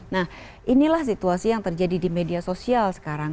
nah inilah situasi yang terjadi di media sosial sekarang